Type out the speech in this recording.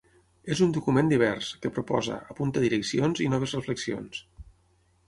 És un document divers, que proposa, apunta direccions i noves reflexions.